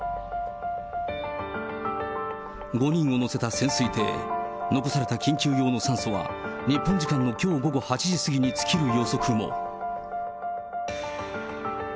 ５人を乗せた潜水艇、残された緊急用の酸素は、日本時間のきょう午後８時過ぎに尽きる予測も。